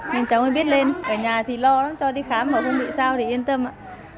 nên cháu mới biết lên ở nhà thì lo lắm cho đi khám mà không bị sao thì yên tâm ạ